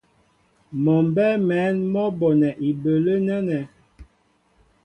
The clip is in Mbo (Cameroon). Mɔ mbɛ́ɛ́ mɛ̌n mɔ́ bonɛ ibələ́ nɛ́nɛ́.